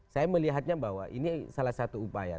saya melihatnya bahwa ini salah satu upaya